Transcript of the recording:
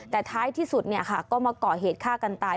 แต่ท้ายที่สุดก็มาก่อเหตุฆ่ากันตาย